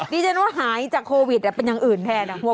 ดิฉันว่าหายจากโควิดเป็นอย่างอื่นแทน